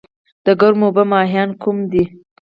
د ګرمو اوبو ماهیان کوم دي؟